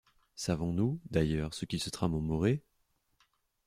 Savons-nous, d'ailleurs, ce qui se trame en Morée?